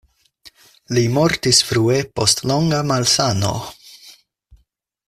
Li mortis frue post longa malsano.